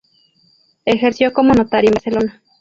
Ejerció como notario en Barcelona.